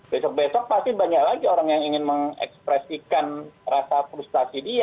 besok besok pasti banyak lagi orang yang ingin mengekspresikan rasa frustasi dia